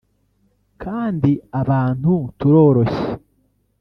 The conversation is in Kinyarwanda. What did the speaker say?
Kandi abantu turoroshye